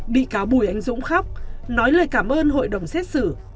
bị cáo bùi anh dũng khóc nói lời cảm ơn hội đồng xét xử